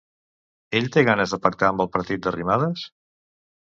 Ell té ganes de pactar amb el partit d'Arrimadas?